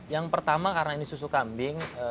yang pertama karena ini susu kambing